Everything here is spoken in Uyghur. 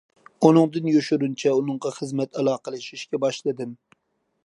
ئۇنىڭدىن يوشۇرۇنچە ئۇنىڭغا خىزمەت ئالاقىلىشىشكە باشلىدىم.